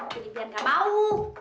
jadi biar nggak bau